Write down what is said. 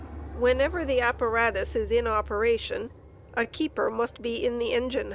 Whenever the apparatus is in operation, a keeper must be in the engine house, t?